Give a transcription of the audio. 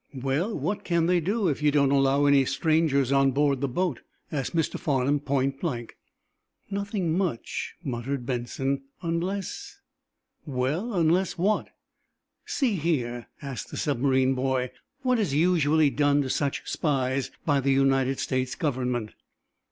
"Well, what can they do, if you don't allow any strangers on board the boat?" asked Mr. Farnum, point blank. "Nothing much," muttered Benson, "unless " "Well, unless what?" "See here," asked the submarine boy, "what is usually done to such spies by the United States Government?"